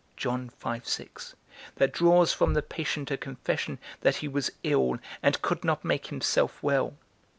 _ that draws from the patient a confession that he was ill, and could not make himself well.